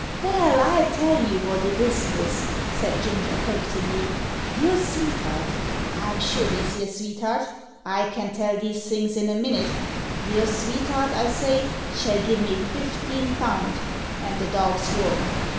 "Vell, I'll tell you wot it is, miss," said Ginger coaxingly, "your sveet'art I'm sure he's your sveet'art I can tell these things in a minnit your sveet'art, I say, shall give me fifteen pound, and the dog's yourn.